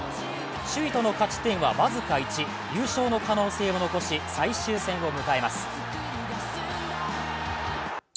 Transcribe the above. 首位との勝ち点は僅か１、優勝の可能性を残し最終戦を迎えます。